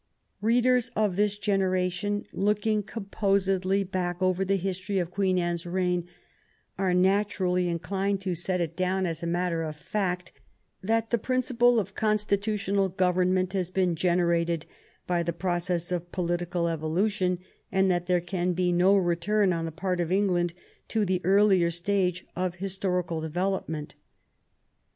Readers of this generation, looking composedly back over the history of Queeu Anne's reign, are naturally inclined to set it down as a matter of fact that the prin ciple of constitutional government has been generated by the process of political evolution, and that there can be no return on the part of England to the earlier stage of historical development.